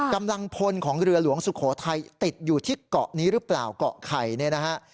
กำลังพลของเรือหลวงสุโขทัยติดอยู่ที่เกาะนี้หรือเปล่าเกาะไข่เนี่ยนะฮะ